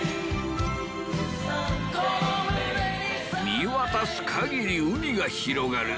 見渡す限り海が広がる